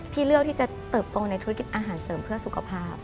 เลือกที่จะเติบโตในธุรกิจอาหารเสริมเพื่อสุขภาพ